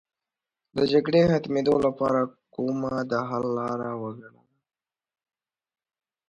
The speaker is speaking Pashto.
د جګړې ختمېدو لپاره کومه د حل لاره وګڼله.